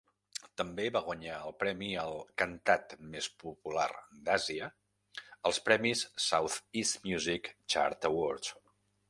També va guanyar el premi al "cantat més popular d'Àsia" als premis South East Music Chart Awards.